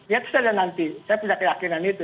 ya itu sudah ada nanti saya punya keyakinan itu